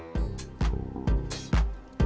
jalan atau pake motor